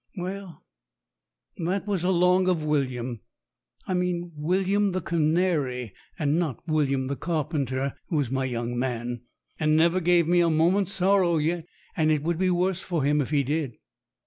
Well, that was along of William. I means William the canary, and not William the carpenter, who is my young man, and never gave me a moment's sorrow yet, and it would be worse for him if he did.